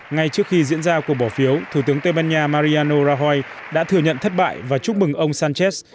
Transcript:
ngay trước khi diễn ra cuộc bỏ phiếu thủ tướng tây ban nha marian orahoi đã thừa nhận thất bại và chúc mừng ông sánchez